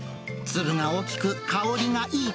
粒が大きく香りがいい